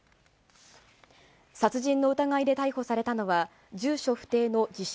殺人の疑いで逮捕されたのは、住所不定の自称